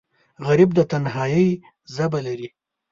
غریب د تنهایۍ ژبه لري